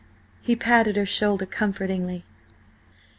He patted her shoulder comfortingly.